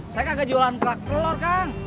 saya kagak jualan kerak telur kang